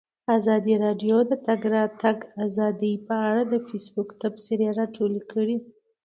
ازادي راډیو د د تګ راتګ ازادي په اړه د فیسبوک تبصرې راټولې کړي.